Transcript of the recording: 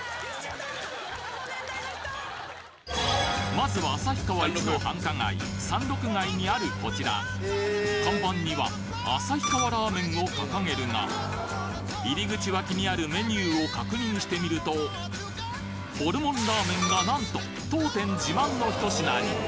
まずは旭川イチの繁華街３・６街にあるコチラ看板には「旭川らーめん」を掲げるが入り口脇にあるメニューを確認してみると「ホルモンらーめん」が何と「当店自慢」のひと品に！